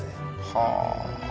はあ。